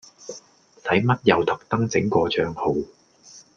使乜又特登整個帳號